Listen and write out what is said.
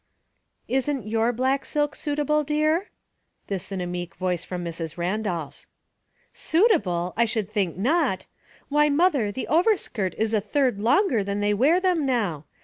" Isn't your black silk suitable, dear^'' This in a meek voice from Mrs. Randolph. '"Suitable! I should think not. Why, mother, the overskirt is a third longer than they wear them now.